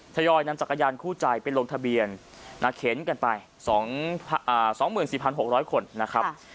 ยอยนำจักรยานคู่ใจไปลงทะเบียนเข็นกันไป๒๔๖๐๐คนนะครับ